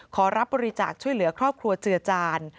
ขอรับบริจาคช่วยเหลือครอบครัวเจือจาน